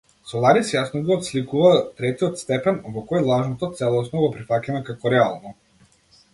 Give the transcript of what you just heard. Соларис јасно го отсликува третиот степен, во кој лажното целосно го прифаќаме како реално.